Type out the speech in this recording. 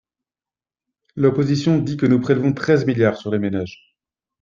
L’opposition dit que nous prélevons treize milliards sur les ménages.